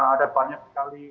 ada banyak sekali